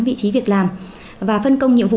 vị trí việc làm và phân công nhiệm vụ